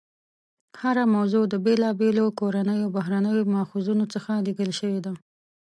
هره موضوع د بېلابېلو کورنیو او بهرنیو ماخذونو څخه لیکل شوې ده.